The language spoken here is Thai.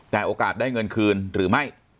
แต่โอกาสได้เงินคืนหรือไม่